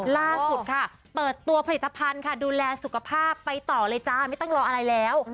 ล่าสุดค่ะเปิดตัวผลิตภัณฑ์ค่ะดูแลสุขภาพไปต่อเลยจ้าไม่ต้องรออะไรแล้ว